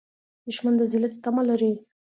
دښمن د ذلت تمه لري